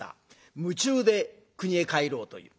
夢中で国へ帰ろうという。